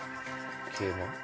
桂馬？